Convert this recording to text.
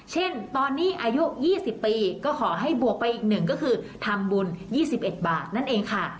เช่นตอนนี้อายุ๒๐ปีก็ขอให้บวกไปอีก๑ก็คือทำบุญ๒๑บาทนั่นเองค่ะ